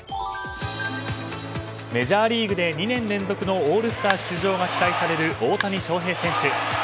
メジャーリーグで２年連続のオールスター出場が期待される大谷翔平選手。